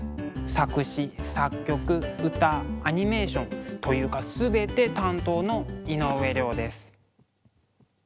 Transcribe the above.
作詞作曲歌アニメーションというか全て担当の井上涼です。